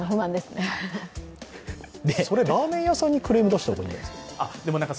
それはラーメン屋さんにクレーム出した方がいいんじゃないですか。